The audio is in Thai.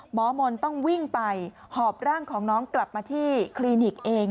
หมอมนต์ต้องวิ่งไปหอบร่างของน้องกลับมาที่คลินิกเอง